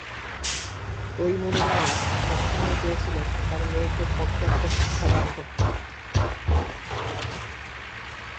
তৈমুরের বাবা সবসময় চেয়েছিলেন তার মেয়েকে পর্যাপ্ত শিক্ষাদান করতে।